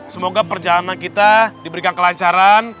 semoga perjalanan kita diberikan kelancaran